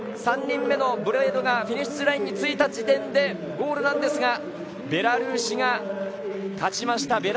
３人目のブレードがフィニッシュラインについた時点でゴールなのですがベラルーシが勝ちました。